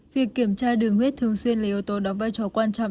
việc kiểm tra đường huyết thường xuyên là yếu tố đóng vai trò quan trọng